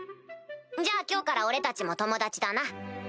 じゃあ今日から俺たちも友達だな。